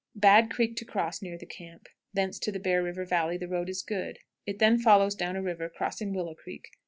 Bad creek to cross near the camp; thence to Bear River Valley the road is good. It then follows down the river, crossing Willow Creek.